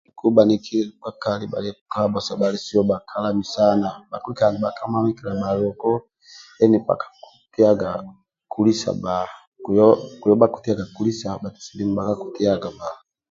Ku bhaniki bhakali bhakalami saba bhakilikaga ninha ka mamiliana bhaluku bhakatiaga kulisa bba kuyo bhakitiaga kulisa bhaitu silimu bba